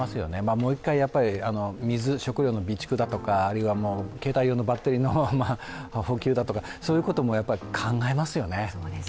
もう１回水・食料の備蓄だとか携帯用のバッテリーの補給だとかを考えますよね。